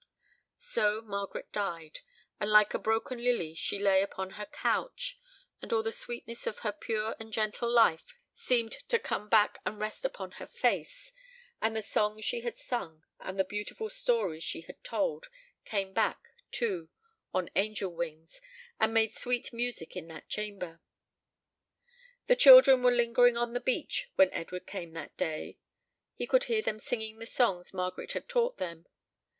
So Margaret died, and like a broken lily she lay upon her couch; and all the sweetness of her pure and gentle life seemed to come back and rest upon her face; and the songs she had sung and the beautiful stories she had told came back, too, on angel wings, and made sweet music in that chamber. The children were lingering on the beach when Edward came that day. He could hear them singing the songs Margaret had taught them.